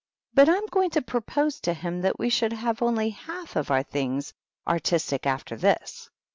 " But I'm going to propose to him that we should have only fmlf of our things artistic after this.